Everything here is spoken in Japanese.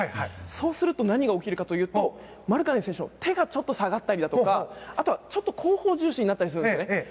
そうすると何が起きるかというとマルカネン選手の手が下がったりあとは、ちょっと後方重心になったりするんですね。